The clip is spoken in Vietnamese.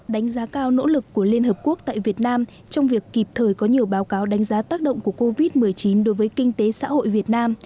đánh giá cao nỗ lực của liên hợp quốc tại việt nam trong việc kịp thời có nhiều báo cáo đánh giá tác động của covid một mươi chín đối với kinh tế xã hội việt nam